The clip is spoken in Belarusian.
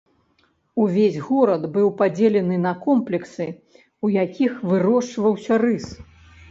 Увесь горад быў падзелены на комплексы, у якіх вырошчваўся рыс.